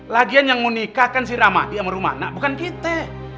lagian yang mau nikah kan si ramadi sama rumah anak bukan kita